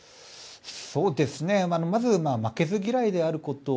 まず負けず嫌いであること。